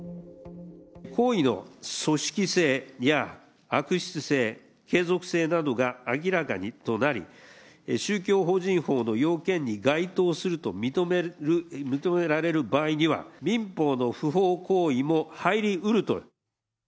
行為の組織性や悪質性、継続性などが明らかとなり、宗教法人法の要件に該当すると認められる場合には、民法の不法行為も入りうると。